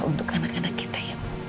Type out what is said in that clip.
untuk anak anak kita ya